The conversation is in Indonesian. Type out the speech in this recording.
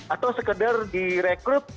atau sekedar direkrut